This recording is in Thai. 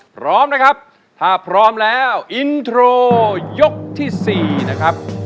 พร้อมนะครับถ้าพร้อมแล้วอินโทรยกที่๔นะครับ